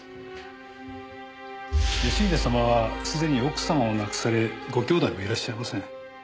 義英様はすでに奥様を亡くされご兄弟もいらっしゃいません。